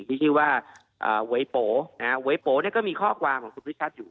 ที่ชื่อว่าอ่านะฮะเนี้ยก็มีข้อความของคุณวิชัสอยู่